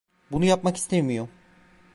Bunu yapmak istemiyorum.